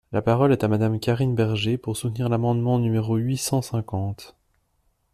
La parole est à Madame Karine Berger, pour soutenir l’amendement numéro huit cent cinquante.